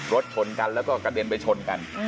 รถชนกันแล้วก็กระเด็นไปชนกัน